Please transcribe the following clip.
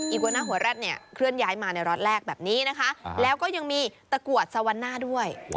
หัวหน้าหัวแร็ดเนี่ยเคลื่อนย้ายมาในล็อตแรกแบบนี้นะคะแล้วก็ยังมีตะกรวดสวรรณาด้วย